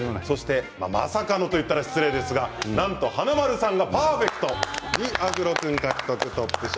まさかのと言ったら失礼ですがなんと華丸さんはパーフェクト２アフロ君獲得。